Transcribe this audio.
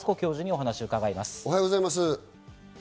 おはようございます。